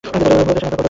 মূঢ়তার সেনা করে পথরোধ।